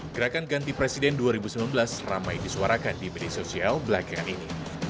gerakan ganti presiden dua ribu sembilan belas ramai disuarakan di media sosial belakangan ini